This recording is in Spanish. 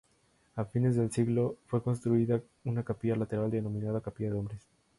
A fines del siglo fue construida una capilla lateral denominada "capilla de hombres".